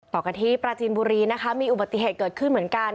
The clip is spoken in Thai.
ต่อกันที่ปราจีนบุรีนะคะมีอุบัติเหตุเกิดขึ้นเหมือนกัน